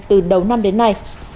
từ đầu năm đến nay